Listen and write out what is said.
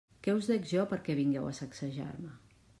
Què us dec jo perquè vingueu a saquejar-me?